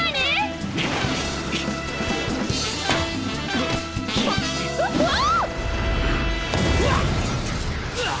うわっ！